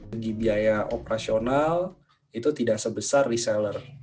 bagi biaya operasional itu tidak sebesar reseller